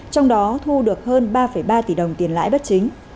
trong đó thu được hơn ba ba tỷ đồng tiền lãi bất chính